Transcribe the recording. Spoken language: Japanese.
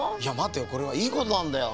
これはいいことなんだよ。